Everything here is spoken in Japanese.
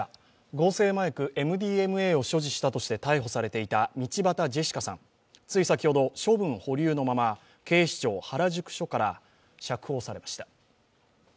合成麻薬ＭＤＭＡを使用したとして逮捕された道端ジェシカさん、つい先ほど処分保留のまま警視庁・原宿署から釈放されました。